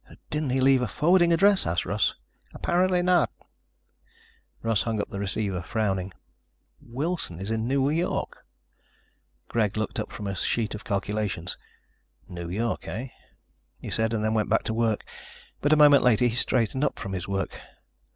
"Didn't he leave a forwarding address?" asked Russ. "Apparently not." Russ hung up the receiver, frowning. "Wilson is in New York." Greg looked up from a sheet of calculations. "New York, eh?" he said and then went back to work, but a moment later he straightened from his work.